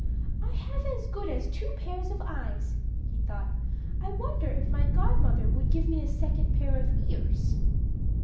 "I have as good as two pairs of eyes," he thought. "I wonder if my godmother would give me a second pair of ears."